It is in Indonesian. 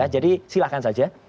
jadi silahkan saja